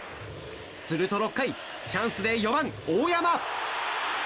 すると６回、チャンスで４番、大山。